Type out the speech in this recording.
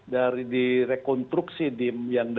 direkonstruksi dim yang